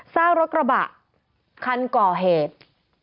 ซากรถกระบะคันก่อเหตุ